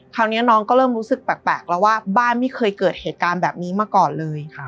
คราวนี้น้องก็เริ่มรู้สึกแปลกแล้วว่าบ้านไม่เคยเกิดเหตุการณ์แบบนี้มาก่อนเลย